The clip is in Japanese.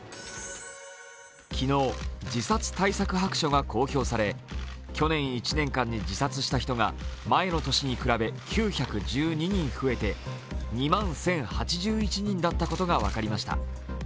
昨日、自殺対策白書が公表され去年１年間に自殺した人が、前の年に比べ９１２人増えて２万１０８１人だったことが分かりました。